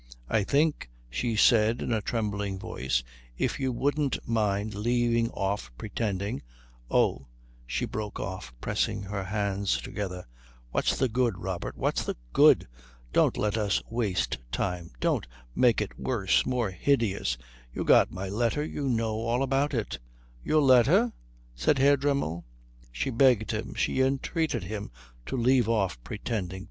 "I think," she said in a trembling voice, "if you wouldn't mind leaving off pretending oh," she broke off, pressing her hands together, "what's the good, Robert? What's the good? Don't let us waste time. Don't make it worse, more hideous you got my letter you know all about it " "Your letter?" said Herr Dremmel. She begged him, she entreated him to leave off pretending.